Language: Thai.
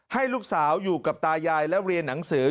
ให้ลูกสาวอยู่กับตายายและเรียนหนังสือ